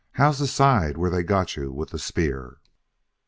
How's the side where they got you with the spear?